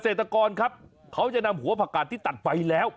เกษตรกรครับเขาจะนำหัวผักกาดที่ตัดไปแล้ว